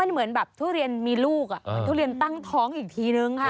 เหมือนแบบทุเรียนมีลูกทุเรียนตั้งท้องอีกทีนึงค่ะ